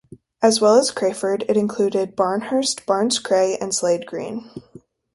As well as Crayford, it included Barnehurst, Barnes Cray and Slade Green.